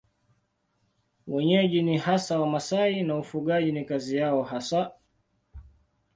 Wenyeji ni hasa Wamasai na ufugaji ni kazi yao hasa.